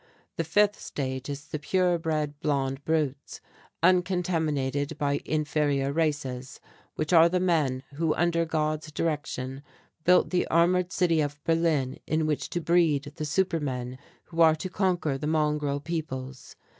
The fifth stage is the pure bred Blond Brutes, uncontaminated by inferior races, which are the men, who under God's direction, built the Armoured City of Berlin in which to breed the Supermen who are to conquer the mongrel peoples.